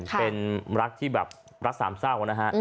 เป็นรักที่แบบรักสามเศร้านะฮะ